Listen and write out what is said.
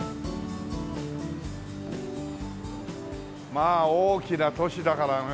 まあ大きな都市だからね